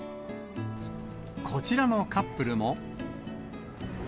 こちらのカップルも。